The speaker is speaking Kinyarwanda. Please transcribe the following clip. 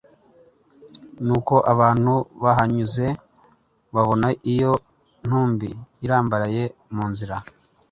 Nuko abantu bahanyuze babona iyo ntumbi irambaraye mu nzira